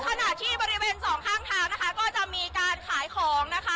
ขณะที่บริเวณสองข้างทางนะคะก็จะมีการขายของนะคะ